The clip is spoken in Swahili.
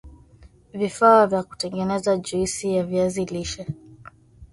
vifaa vya kutengeneza juisi ya viazi lishe